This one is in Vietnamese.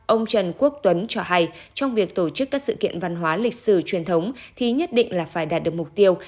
ông trần quốc tuấn cho hay trong việc tổ chức các sự kiện văn hóa lịch sử truyền thống thì nhất định là phải đạt được mục tiêu